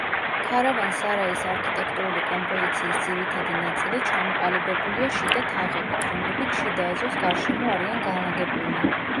ქარავან-სარაის არქიტექტურული კომპოზიციის ძირითადი ნაწილი ჩამოყალიბებულია შიდა თაღებით, რომლებიც შიდა ეზოს გარშემო არიან განლაგებულნი.